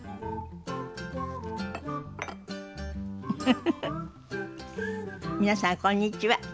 フフフフ皆さんこんにちは。